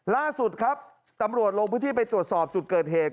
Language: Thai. ล่าสุดครับตำรวจลงพื้นที่ไปตรวจสอบจุดเกิดเหตุ